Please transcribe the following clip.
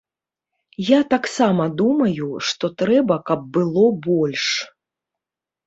Я таксама думаю, што трэба, каб было больш.